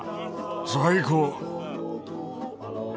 最高！